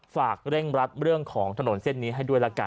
ฝากเร่งรัดเรื่องของถนนเส้นนี้ให้ด้วยละกัน